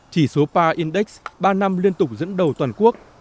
chỉ số pa index ba năm liên tục dẫn đầu toàn quốc